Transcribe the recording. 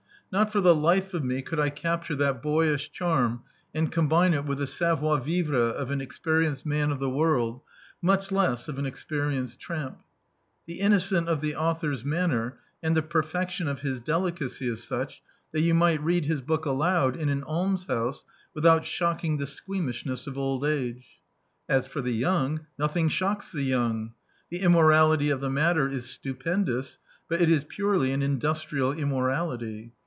Not for the life of me could I capture that boyish charm and combine it with the savoir vivre of an experienced man of the world, much less of an experienced cramp. The iimocence of the author's manner and the perfection of his delicacy is such, that you might read his book aloud in an ahnshouse without shocking the squeamishness of old age. As for the young, nothing shocks the young. The immorality of the matter is stupen dous ; but it is purely an industrial immorality.